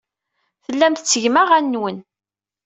Tellam tettgem aɣan-nwen.